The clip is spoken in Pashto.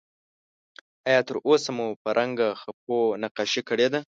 آیا تر اوسه مو په رنګه خپو نقاشي کړې ده؟